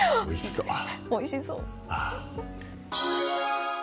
おいしそう。